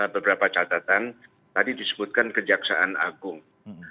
beberapa catatan tadi disebutkan kejaksaan agung